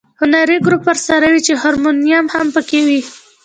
هنري ګروپ ورسره وي چې هارمونیم هم په کې وي.